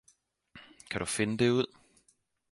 Kan du finde det ud?